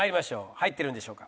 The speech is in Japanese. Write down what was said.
入ってるんでしょうか？